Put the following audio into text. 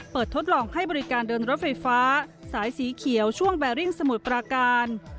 ทดลองให้บริการเดินรถไฟฟ้าสายสีเขียวช่วงแบริ่งสมุทรปราการ